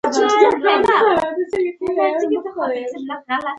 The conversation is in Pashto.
زه پښتو زده کوم